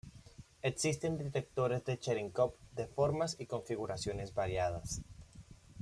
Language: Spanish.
Existen detectores de Cherenkov de formas y configuraciones variadas.